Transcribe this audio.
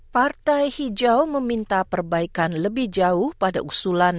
partai hijau meminta perbaikan lebih jauh pada usulan